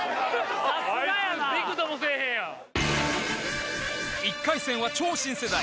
さすがやなあいつビクともせえへんやん１回戦は超新世代